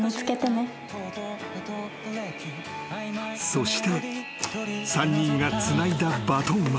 ［そして３人がつないだバトンは］